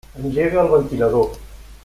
Engega el ventilador.